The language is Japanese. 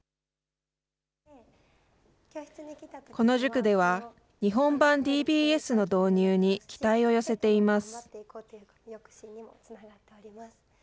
この塾では、日本版ＤＢＳの導入に期待を寄せています。